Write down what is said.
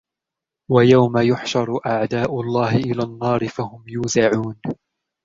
ويوم يحشر أعداء الله إلى النار فهم يوزعون